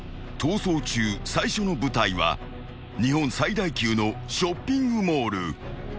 『逃走中』最初の舞台は日本最大級のショッピングモール］